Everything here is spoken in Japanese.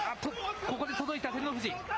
ここで届いた、照ノ富士。